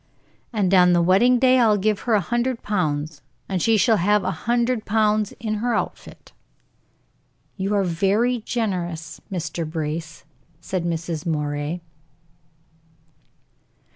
"And on the wedding day I'll give her a hundred pounds, and she shall have a hundred pounds in her outfit." "You are very generous, Mr. Brace," said Mrs. Moray.